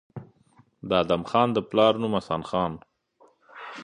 د ادم خان د پلار نوم حسن خان